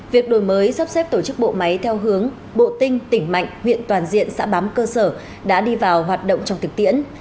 việc đổi mới sắp xếp tổ chức bộ máy theo hướng bộ tinh tỉnh mạnh huyện toàn diện xã bám cơ sở đã đi vào hoạt động trong thực tiễn